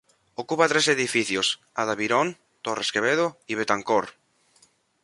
Ocupa tres edificios: Ada Byron, Torres Quevedo y Betancourt.